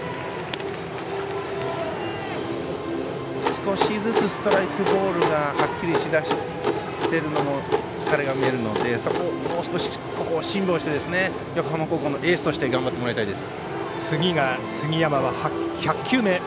少しずつストライク、ボールがはっきりしだしているのは疲れが出てると思うのでもう少し辛抱して横浜高校のエースとして頑張ってもらいたいです。